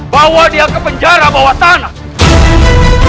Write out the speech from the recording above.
bawa dia ke penjara bawah tanah